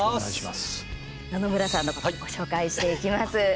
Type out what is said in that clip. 野々村さんのことをご紹介していきます。